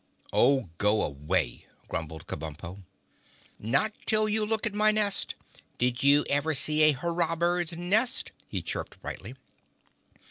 "Oh, go away," grumbled Kabumpo. "Not till you look at my nest. Did you ever see a Hurrah Bird's nest?" he chirped brightly.